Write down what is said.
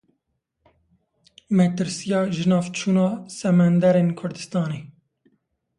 Metirsiya jinavçûna Semenderên Kurdistanê.